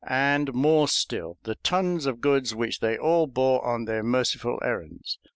and, more still, the tons of goods which they all bore on their merciful errands.